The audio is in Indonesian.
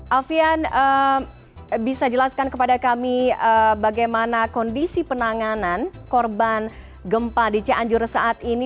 alfian bisa jelaskan kepada kami bagaimana kondisi penanganan korban gempa di cianjur saat ini